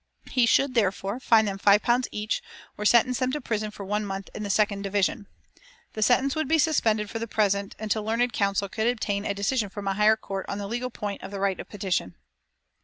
He should, therefore, fine them five pounds each, or sentence them to prison for one month in the second division. The sentence would be suspended for the present until learned counsel could obtain a decision from a higher court on the legal point of the right of petition.